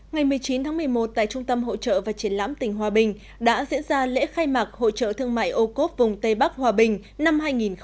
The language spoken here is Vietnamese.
ngày một mươi chín tháng một mươi một tại trung tâm hỗ trợ và triển lãm tỉnh hòa bình đã diễn ra lễ khai mạc hội trợ thương mại âu cốp vùng tây bắc hòa bình năm hai nghìn một mươi chín